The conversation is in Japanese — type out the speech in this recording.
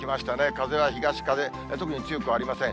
風は東風、特に強くありません。